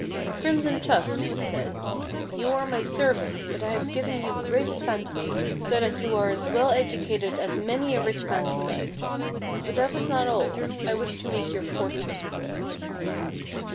"Crimson Tuft," she said, "you are my servant, but I have given you great advantages, so that you are as well educated as many a rich man's son. But that is not all; I wish to make your fortune."